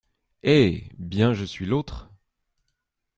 Eh ! bien, je suis l’autre !…